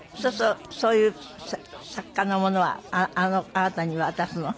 そういう作家のものはあなたに渡すの？